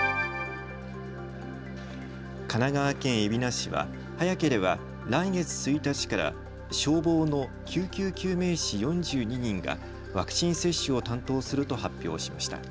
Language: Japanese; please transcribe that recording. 神奈川県海老名市は早ければ来月１日から消防の救急救命士４２人がワクチン接種を担当すると発表しました。